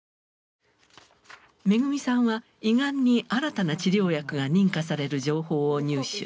恵さんは胃がんに新たな治療薬が認可される情報を入手。